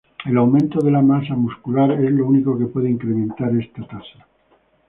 El aumento de la masa muscular es lo único que puede incrementar esta tasa.